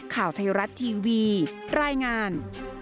ข่าวไทยรัฐทีวีรายงาน